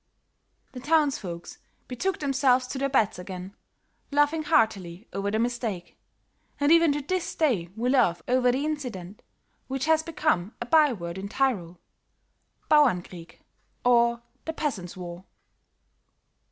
"The townsfolks betook themselves to their beds again, laughing heartily over the mistake; and even to this day we laugh over the incident which has become a by word in Tyrol; Bauernkrieg, or the peasant's war."